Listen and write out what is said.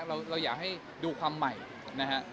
เราอยากให้ดูความใหม่นะฮะ